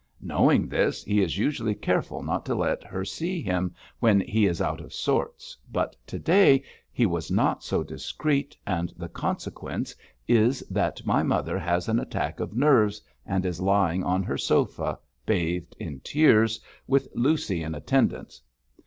Knowing this, he is usually careful not to let her see him when he is out of sorts, but to day he was not so discreet, and the consequence is that my mother has an attack of nerves, and is lying on her sofa bathed in tears, with Lucy in attendance.